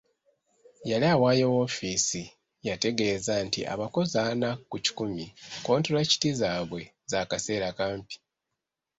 Yali awaayo woofiisi, yategeeza nti abakozi ana ku kikumi kkontulakiti zaabwe za kaseera kampi.